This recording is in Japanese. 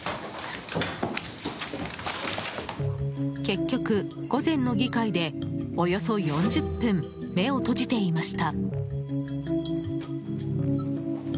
結局、午前の議会でおよそ４０分目を閉じていました。